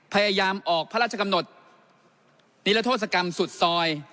พยายามออกพระราชกำหนดนิรโทษกรรมสุดซอย